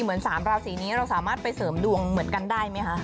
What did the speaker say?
เหมือน๓ราศีนี้เราสามารถไปเสริมดวงเหมือนกันได้ไหมคะ